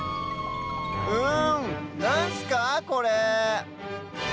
うんなんすかこれ？